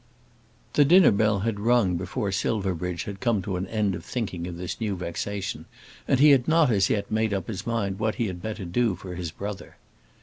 The dinner bell had rung before Silverbridge had come to an end of thinking of this new vexation, and he had not as yet made up his mind what he had better do for his brother.